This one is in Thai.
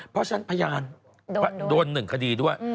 เพราะฉะนั้นพยานโดน๑คดีด้วย